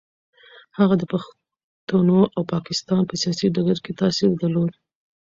هغه د پښتنو او پاکستان په سیاسي ډګر کې تاثیر درلود.